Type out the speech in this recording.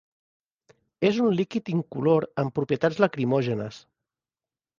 És un líquid incolor amb propietats lacrimògenes.